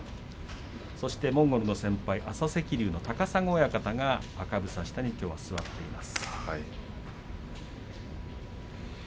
モンゴルの先輩、朝赤龍の高砂親方が赤房下に座っています。